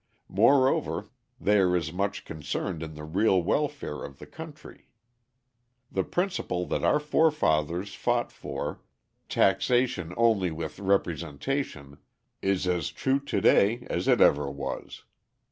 Moreover, they are as much concerned in the real welfare of the country. The principle that our forefathers fought for, "taxation only with representation," is as true to day as it ever was.